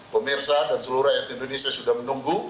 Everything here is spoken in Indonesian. pemirsa dan seluruh rakyat indonesia sudah menunggu